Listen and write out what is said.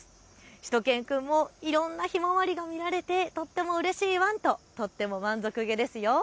しゅと犬くんもいろんなひまわりが見られてとってもうれしいワンと満足げですよ。